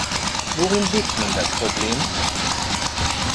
Worin liegt nun das Problem?